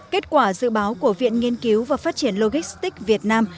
kết quả dự báo của viện nghiên cứu và phát triển logistics việt nam